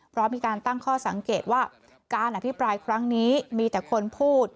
เพราะมีการตั้งข้อสังเกตว่าการอภิปรายครั้งนี้มีแต่คนพูด